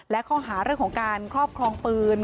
และข้อหาเรื่องของการครอบครองปืน